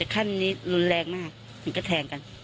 แต่ครั้งนี้รุนแรงมากยังก็แทงกัน